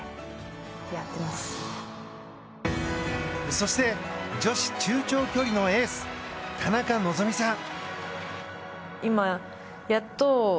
そして女子中長距離のエース、田中希実さん。